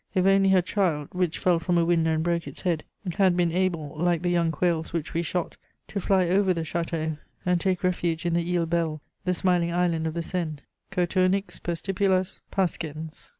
If only her child, which fell from a window and broke its head, had been able, like the young quails which we shot, to fly over the château and take refuge in the Île Belle, the smiling island of the Seine: _Coturnix per stipulas pascens!